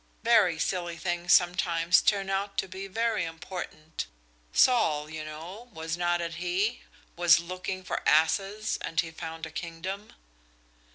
"Very silly things sometimes turn out to be very important. Saul, you know was not it he? was looking for asses and he found a kingdom."